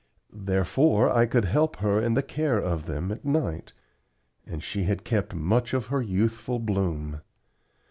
Therefore I could help her in the care of them at night, and she had kept much of her youthful bloom.